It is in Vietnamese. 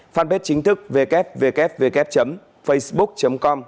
fanpage chính thức www facebook com